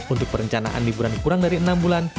untuk perencanaan liburan kurang dari enam bulan